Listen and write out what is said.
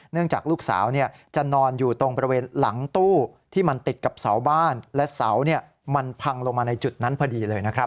จากลูกสาวจะนอนอยู่ตรงบริเวณหลังตู้ที่มันติดกับเสาบ้านและเสามันพังลงมาในจุดนั้นพอดีเลยนะครับ